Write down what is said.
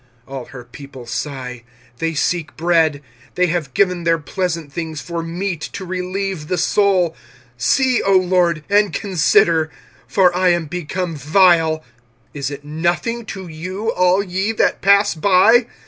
25:001:011 All her people sigh, they seek bread; they have given their pleasant things for meat to relieve the soul: see, O LORD, and consider; for I am become vile. 25:001:012 Is it nothing to you, all ye that pass by?